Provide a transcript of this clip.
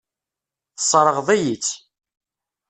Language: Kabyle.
Tesseṛɣeḍ-iyi-tt.